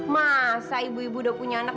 masa ibu ibu udah punya anak